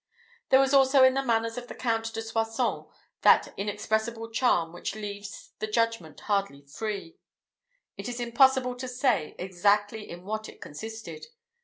There was also in the manners of the Count de Soissons that inexpressible charm which leaves the judgment hardly free. It is impossible to say exactly in what it consisted.